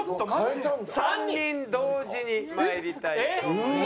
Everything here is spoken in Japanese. ３人同時に参りたいと思います。